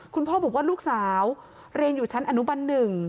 คุณพ่อบอกว่าลูกสาวเรียนอยู่ชั้นอนุบัน๑